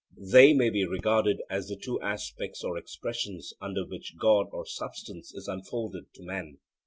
They may be regarded as the two aspects or expressions under which God or substance is unfolded to man.